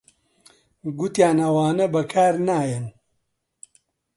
گوتیان ئەوانە بەکار نایەن